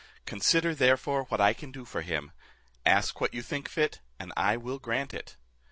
Consider, therefore, what I can do for him. Ask what you think fit, and I will grant it."